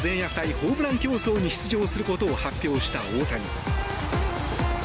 ホームラン競争に出場することを発表した大谷。